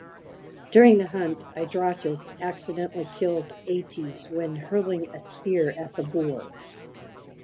During the hunt, Adrastus accidentally killed Atys when hurling a spear at the boar.